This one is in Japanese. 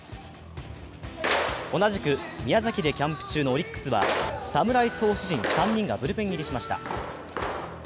同じく宮崎でキャンプ中のオリックスは、侍投手陣３人がブルペン入りしました。